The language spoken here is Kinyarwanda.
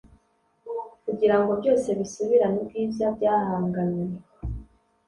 kugira ngo byose bisubirane ubwiza byahanganywe,